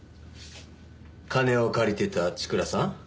金を借りてた千倉さん？